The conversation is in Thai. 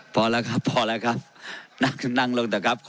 ประธานครับท่านประธานครับ